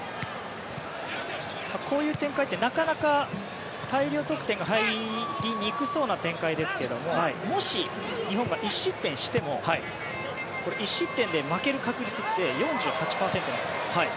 こういう展開ってなかなか大量得点が入りにくそうな展開ですがもし、日本が１失点しても１失点で負ける確率って４８％なんです。